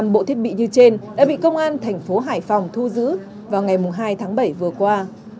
năm bộ thiết bị như trên đã bị công an thành phố hải phòng thu giữ vào ngày hai tháng bảy vừa qua